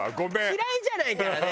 嫌いじゃないからね